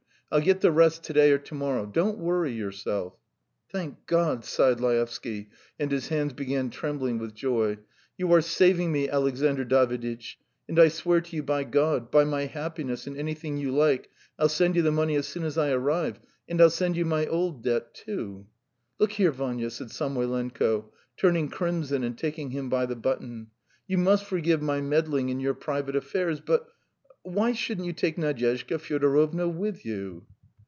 I'll get the rest to day or to morrow. Don't worry yourself." "Thank God ..." sighed Laevsky, and his hands began trembling with joy. "You are saving me, Alexandr Daviditch, and I swear to you by God, by my happiness and anything you like, I'll send you the money as soon as I arrive. And I'll send you my old debt too." "Look here, Vanya ..." said Samoylenko, turning crimson and taking him by the button. "You must forgive my meddling in your private affairs, but ... why shouldn't you take Nadyezhda Fyodorovna with you?"